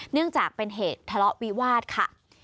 เนื่องจากเป็นเหตุทะเลาะวิวาสค่ะ